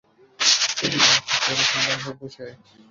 কিন্তু মা খুশি হলে সন্তানও খুব খুশি হয়।